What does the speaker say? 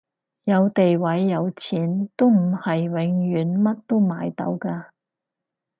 有地位有錢都唔係永遠乜都買到㗎